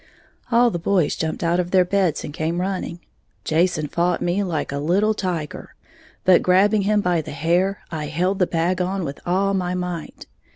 All the boys jumped out of their beds and came running. Jason fought me like a little tiger; but grabbing him by the hair, I held the bag on with all my might.